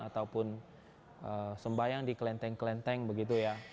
ataupun sembahyang di kelenteng kelenteng begitu ya